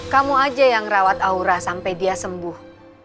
kamu aja yang rawat aura sampai dia sembuh